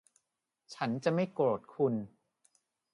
ฉันจะไม่โกรธคุณ